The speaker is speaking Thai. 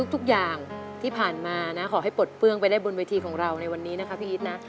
ทุกอย่างที่ผ่านมานะขอให้ปลดเปื้องไปได้บนเวทีของเราในวันนี้นะคะพี่อีทนะ